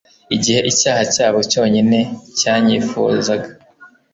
igihe icyaha cyabo cyonyine cyanyifuzaga